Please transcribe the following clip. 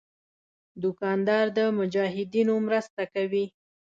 دوکاندار د مجاهدینو مرسته کوي.